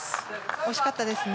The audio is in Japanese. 惜しかったですね。